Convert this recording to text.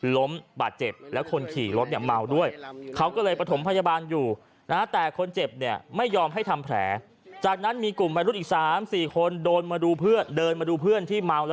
เราก็หมายรู้เออะ์โววาแล้วก็มีการตำหนีกู้ภัยเลยว่า